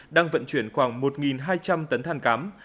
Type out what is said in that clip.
đang vận chuyển khoảng một hai trăm linh tấn thàn cám